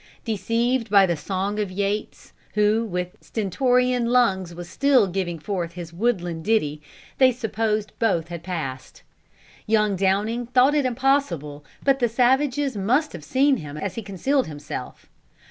Deceived by the song of Yates, who with stentorian lungs was still giving forth his woodland ditty, they supposed both had passed. Young Downing thought it impossible but that the savages must have seen him as he concealed himself.